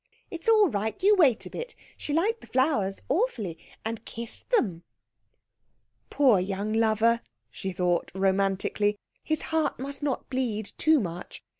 "It's all right you wait a bit. She liked the flowers awfully, and kissed them." "Poor young lover," she thought romantically, "his heart must not bleed too much.